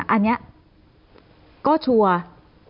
อันนี้ก็ชัวร์